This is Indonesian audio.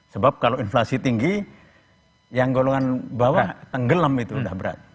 sebab kalau inflasi tinggi yang golongan bawah tenggelam itu sudah berat